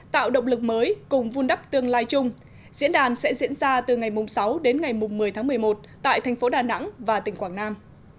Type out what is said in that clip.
tạo động lực mới cùng vun đắp tương lai chung diễn đàn sẽ diễn ra từ ngày sáu đến ngày một mươi tháng một mươi một tại thành phố đà nẵng và tỉnh quảng nam